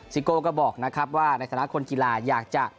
โก้ก็บอกนะครับว่าในฐานะคนกีฬาอยากจะ